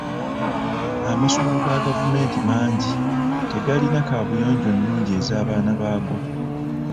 Amasomero ga gavument mangi tegalina kabuyonjo nnungi ez'abaana baago.